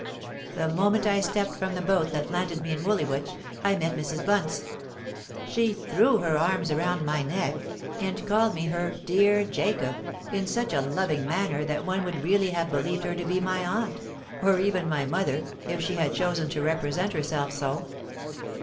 "The moment I stepped from the boat that landed me in Woolwich, I met Mrs. Bunce. She threw her arms round my neck, and called me her 'dear Jacob,' in such a loving manner that one would really have believed her to be my aunt, or even my mother if she had chosen to represent herself so.